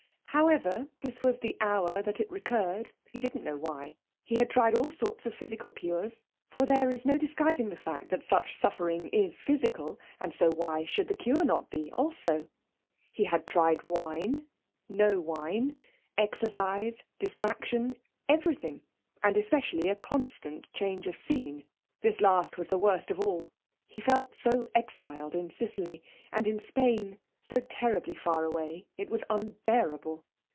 However, this was the hour that it recurred; he didn't know why. He had tried all sorts of physical cures for there is no disguising the fact that such suffering is physical, and so why should the cure not be, also? He had tried wine, no wine, exercise, distraction, everything and especially a constant change of scene. This last was the worst of all. He felt so exiled in Sicily, and in Spain so terribly far away it was unbearable.